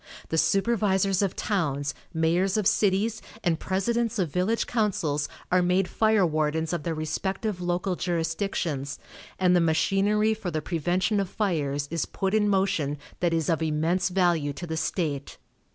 The supervisors of towns, mayors of cities and presidents of village councils are made fire wardens of their respective local jurisdictions, and the machinery for the prevention of fires is put in motion that is of immense value to the state.